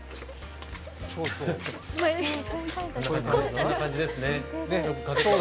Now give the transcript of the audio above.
こんな感じですね。